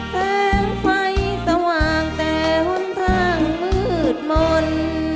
แสงไฟสว่างแต่หนทางมืดมนต์